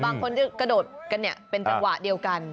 บางคนที่กระโดดกันเนี่ยเป็นจังหวะเดียวกัน